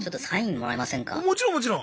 もちろんもちろん！